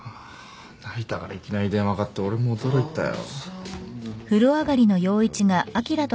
成田からいきなり電話があって俺も驚いたよ。